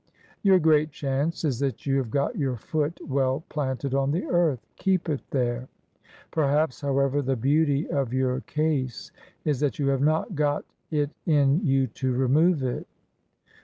" Your great chance is that you have got your foot well planted on the earth. Keep it there. Perhaps, however, the beauty of your case is that you have not got it in you to remove it